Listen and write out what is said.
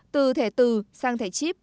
từ thẻ từ sang thẻ chip